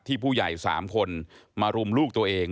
ผู้ใหญ่๓คนมารุมลูกตัวเอง